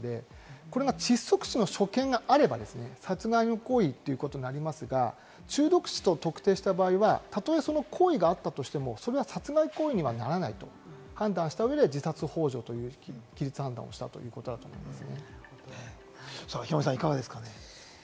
これが窒息死の所見があれば殺害の行為ということになりますが、中毒死と特定した場合は、たとえその行為があったとしてもそれは殺害行為にはならないと判断した上で自殺ほう助という擬律判断をしたと思います。